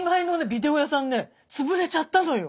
ビデオ屋さんね潰れちゃったのよ！